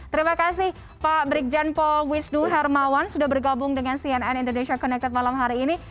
terima kasih pak brigjen paul wisnu hermawan sudah bergabung dengan cnn indonesia connected malam hari ini